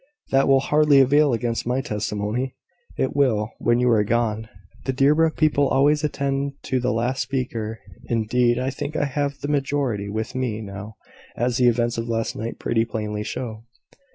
"That will hardly avail against my testimony." "It will, when you are gone. The Deerbrook people always attend to the last speaker. Indeed, I think I have the majority with me now, as the events of last night pretty plainly show."